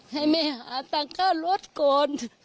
ให้แม่หาตังค่ารถก่อน